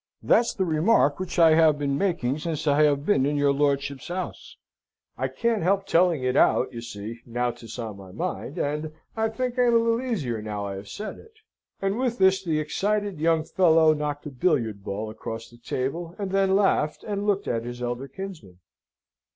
That's the remark which I have been making since I have been in your lordship's house; I can't help telling it out, you see, now 'tis on my mind; and I think I am a little easier now I have said it." And with this, the excited young fellow knocked a billiard ball across the table, and then laughed, and looked at his elder kinsman.